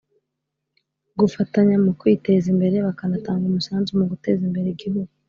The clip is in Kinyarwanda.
gufatanya mu kwiteza imbere bakanatanga umusanzu mu guteza imbere igihugu